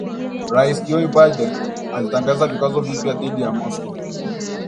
Rais Joe Biden alitangaza vikwazo vipya dhidi ya Moscow